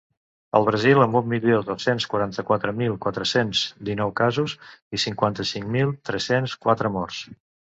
El Brasil, amb un milió dos-cents quaranta-quatre mil quatre-cents dinou casos i cinquanta-cinc mil tres-cents quatre morts.